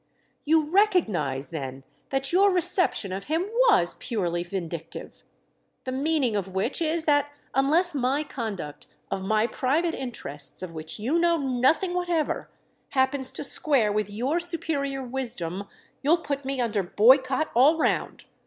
"You recognise then that your reception of him was purely vindictive!—the meaning of which is that unless my conduct of my private interests, of which you know nothing whatever, happens to square with your superior wisdom you'll put me under boycott all round!